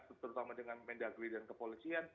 terutama dengan mendagri dan kepolisian